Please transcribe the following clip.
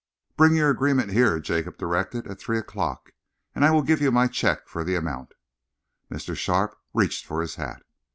"Bring your agreement here," Jacob directed, "at three o'clock, and I will give you my cheque for the amount." Mr. Sharpe reached for his hat.